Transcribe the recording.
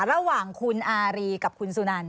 ระหว่างคุณอารีกับคุณสุนัน